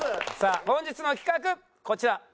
さあ本日の企画こちら。